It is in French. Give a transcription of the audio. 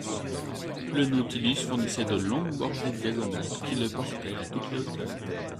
Le Nautilus fournissait de longues bordées diagonales qui le portaient à toutes les hauteurs.